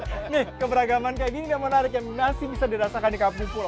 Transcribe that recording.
ini keberagaman kayak gini yang menarik yang masih bisa dirasakan di kampung pulau